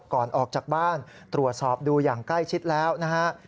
ก่อนออกจากบ้านตรวจสอบดูอย่างใกล้ชิดแล้วนะฮะ